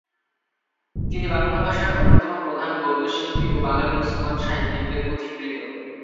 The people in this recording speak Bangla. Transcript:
তিনি বাংলা ভাষার অন্যতম প্রধান গদ্যশিল্পী ও বাঙালি মুসলমান সাহিত্যিকদের পথিকৃৎ।